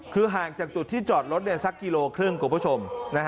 คือห่างจากจุดที่จอดรถสักกิโลครึ่งคุณผู้ชม